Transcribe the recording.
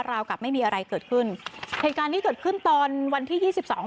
ราวกับไม่มีอะไรเกิดขึ้นเหตุการณ์นี้เกิดขึ้นตอนวันที่ยี่สิบสอง